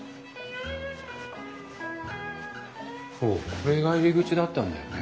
これが入り口だったんだよね。